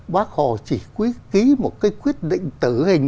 bác hồ chỉ quyết ký một cái quyết định tử hình